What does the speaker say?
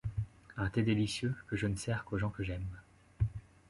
Un thé délicieux que je ne sers qu’aux gens que j’aime.